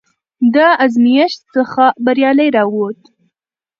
د ازمېښت څخه بریالی راووت،